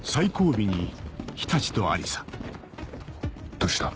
どうした？